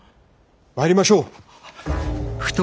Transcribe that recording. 参りましょう。